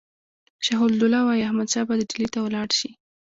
شجاع الدوله وایي احمدشاه به ډهلي ته ولاړ شي.